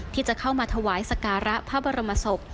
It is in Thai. ที่จะเข้ามาถวายสการะพระบรมศพ